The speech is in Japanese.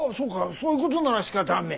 そういう事なら仕方あんめえ。